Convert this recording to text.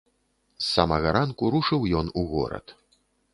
З самага ранку рушыў ён у горад.